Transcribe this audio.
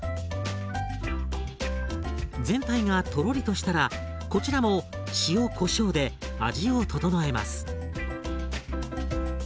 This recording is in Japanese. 全体がとろりとしたらこちらも塩こしょうで味を調えます。